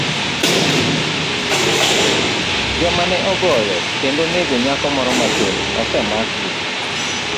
Joma ne ogoyo kendo nego nyako moro matin osemakgi